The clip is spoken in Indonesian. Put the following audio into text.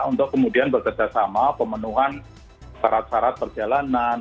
untuk kemudian bekerjasama pemenuhan syarat syarat perjalanan